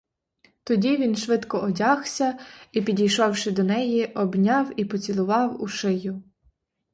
Тоді він швидко одягся і, підійшовши до неї, обняв і поцілував у шию.